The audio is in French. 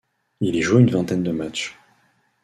Il y joue une vingtaine de matchs.